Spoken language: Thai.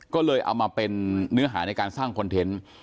ก็เลยเอามาเป็นเนื้อหาในการสร้างคอนเทนต์